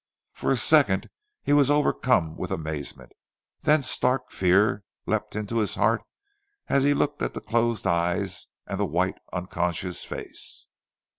For a second he was overcome with amazement, then stark fear leapt in his heart as he looked at the closed eyes and the white, unconscious face.